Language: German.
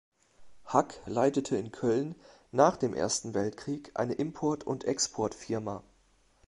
Hack leitete in Köln nach dem Ersten Weltkrieg eine Import- und Exportfirma.